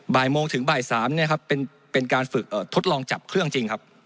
บ่ายโมงถึงบ่าย๓เป็นการฝึกทดลองจับเครื่องจริงครับ